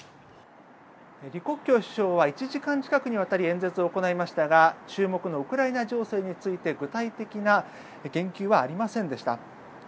李克強首相は１時間近くにわたり演説を行いましたが注目のウクライナ情勢について具体的な言及はありませんでした。